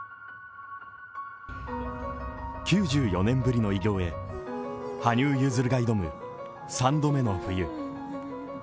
９４年ぶりの偉業へ羽生結弦が挑む、３度目の冬。